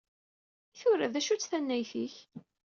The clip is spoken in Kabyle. I tura, d acu-tt tannayt-ik?